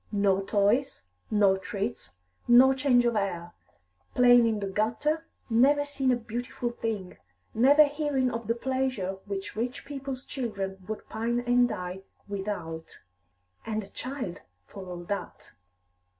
No toys, no treats, no change of air; playing in the gutter, never seeing a beautiful thing, never hearing of the pleasures which rich people's children would pine and die without And a child for all that."